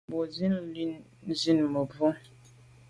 Bin lo zin mebwô.